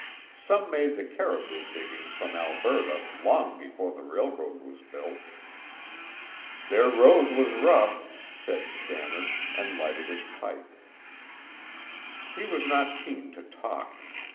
Some made the Caribou diggings from Alberta long before the railroad was built." "Their road was rough," said Stannard and lighted his pipe. He was not keen to talk.